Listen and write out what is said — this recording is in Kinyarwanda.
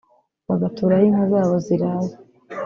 bagatura aho inka zabo ziraye